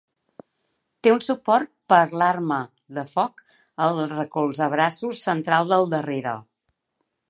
Té un suport per a l'arma de foc al recolzabraços central del darrere.